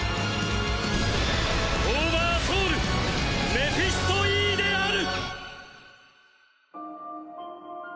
オーバーソウルメフィスト・Ｅである！！